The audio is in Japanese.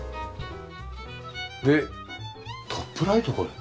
でトップライト？これ。